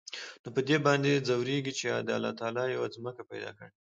نو په دې باندې ځوريږي چې د الله تعال يوه ځمکه پېدا کړى.